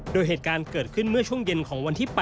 โดยเหตุการณ์เกิดขึ้นเมื่อช่วงเย็นของวันที่๘